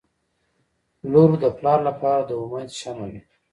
• لور د پلار لپاره د امید شمعه وي.